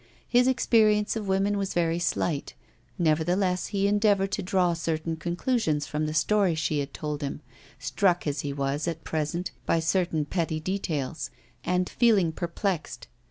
His experience of women was very slight, nevertheless he endeavoured to draw certain conclusions from the story she had told him, struck as he was at present by certain petty details, and feeling perplexed.